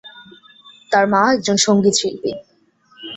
তার মা একজন সংগীতশিল্পী।